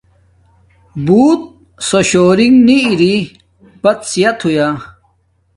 بوت سوشونگ نی ارے بد صحت ہویا